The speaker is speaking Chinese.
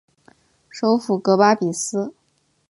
首府戈巴比斯。